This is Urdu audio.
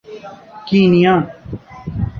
کینیا